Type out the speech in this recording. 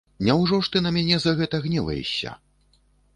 Няўжо ж ты на мяне за гэта гневаешся?